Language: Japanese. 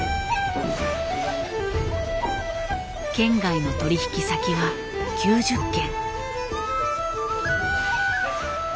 県外の取引先は９０件。